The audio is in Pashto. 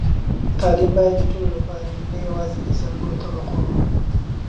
تعلیم باید د ټولو لپاره وي، نه یوازې د ځانګړو طبقو.